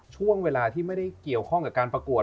ช่วงเวลาที่ไม่ได้เกี่ยวข้องกับการประกวด